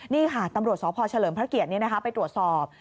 นี่ค่ะตำรวจสพเฉลิมพระเกียรติไปตรวจสอบ